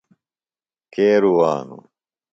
کے روانوۡ؟